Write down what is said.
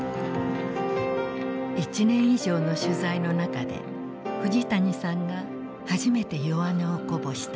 １年以上の取材の中で藤谷さんが初めて弱音をこぼした。